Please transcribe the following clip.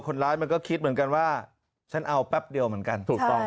คนร้ายมันก็คิดเหมือนกันว่าฉันเอาแป๊บเดียวเหมือนกัน